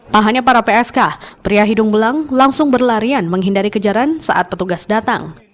tak hanya para psk pria hidung belang langsung berlarian menghindari kejaran saat petugas datang